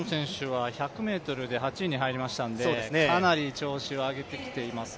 １００ｍで８位に入りましたのでかなり調子は上げてきています。